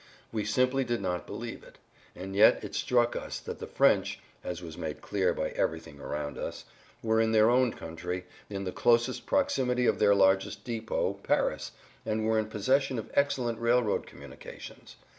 We simply did not believe it. And yet it struck us that the French (as was made clear by everything around us) were in their own country, in the closest proximity of their largest depot, Paris, and were in possession of excellent railroad communications.